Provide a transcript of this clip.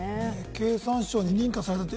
経産省に認可されたと。